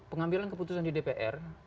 pengambilan keputusan di dpr